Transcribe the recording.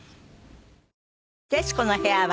『徹子の部屋』は